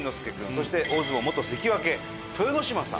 そして大相撲元関脇豊ノ島さん。